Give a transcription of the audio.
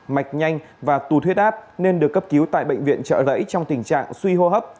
mạch nhanh và tù huyết áp nên được cấp cứu tại bệnh viện trợ rẫy trong tình trạng suy hô hấp